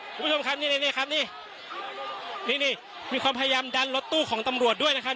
คุณผู้ชมครับนี่นี่ครับนี่นี่มีความพยายามดันรถตู้ของตำรวจด้วยนะครับ